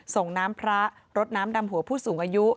ส่งน้ำพระรดน้ำดำหัวผู้สูงอายุ